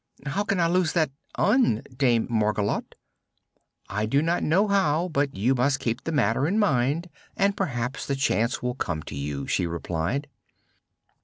"How can I lose that 'Un,' Dame Margolotte?" "I do not know how, but you must keep the matter in mind and perhaps the chance will come to you," she replied.